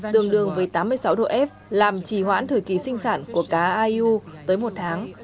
tương đương với tám mươi sáu độ f làm chỉ hoãn thời kỳ sinh sản của cá aiu tới một tháng